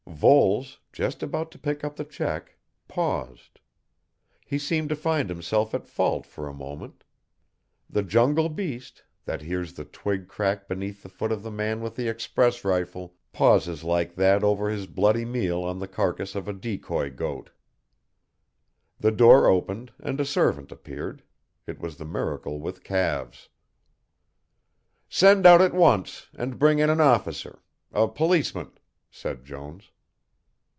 Voles, just about to pick up the cheque, paused. He seemed to find himself at fault for a moment. The jungle beast, that hears the twig crack beneath the foot of the man with the express rifle, pauses like that over his bloody meal on the carcass of the decoy goat. The door opened and a servant appeared, it was the miracle with calves. "Send out at once, and bring in an officer a policeman," said Jones.